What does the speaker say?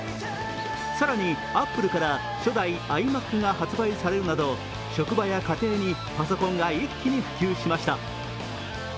さらに、アップルから初代ｉＭａｃが発売されるなど職場や家庭にパソコンが一気に普及しました。